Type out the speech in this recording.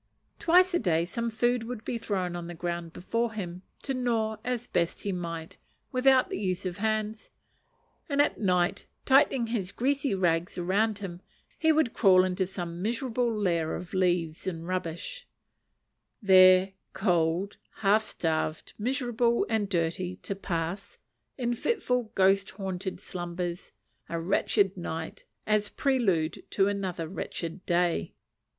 Twice a day some food would be thrown on the ground before him, to gnaw as best he might, without the use of hands; and at night, tightening his greasy rags around him, he would crawl into some miserable lair of leaves and rubbish; there, cold, half starved, miserable, and dirty, to pass, in fitful ghost haunted slumbers, a wretched night, as prelude to another wretched day.